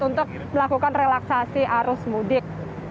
untuk melakukan relaksasi arus mudik